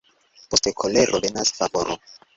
Post kolero venas favoro.